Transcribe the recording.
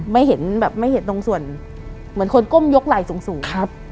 ไม่เห็นตรงส่วนเหมือนคนก้มยกไหล่สูง